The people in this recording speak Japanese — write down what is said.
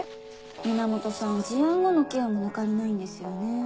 源さん事案後のケアも抜かりないんですよね。